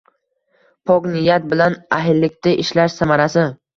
Pok niyat bilan ahillikda ishlash samarasi